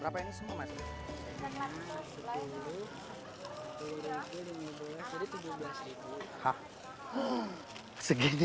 berapa ini semua mas